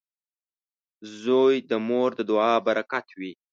• زوی د مور د دعا برکت وي.